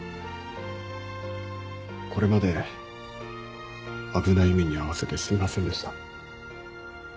これまで危ない目に遭わせてすみませんでした。